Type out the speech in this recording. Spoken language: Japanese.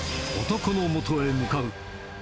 男のもとへ向かう。